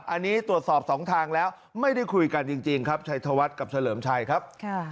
อันนี้ตรวจสอบสองทางแล้วไม่ได้คุยกันจริงครับชัยธวัฒน์กับเฉลิมชัยครับ